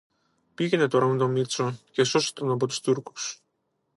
Πήγαινε τώρα με τον Μήτσο, και σώσε τον από τους Τούρκους